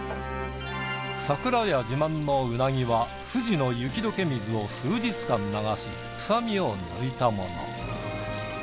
桜家自慢のうなぎは富士の雪解け水を数日間流し臭みを抜いたもの。